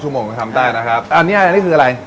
๕๖ชั่วโมงทำได้นะครับ